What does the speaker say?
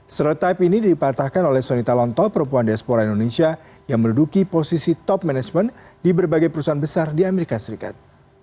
stereotype ini dipatahkan oleh sonita lonto perempuan diaspora indonesia yang menduduki posisi top management di berbagai perusahaan besar di amerika serikat